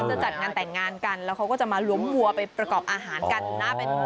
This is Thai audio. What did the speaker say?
จะจัดงานแต่งงานกันแล้วเขาก็จะมาล้วมวัวไปประกอบอาหารกันนะ